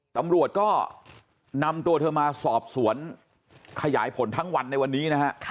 ตำรวจก็นำตัวเธอมาสอบสวนขยายผลทั้งวันในวันนี้นะฮะ